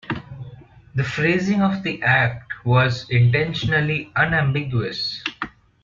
The phrasing of the act was intentionally unambiguous.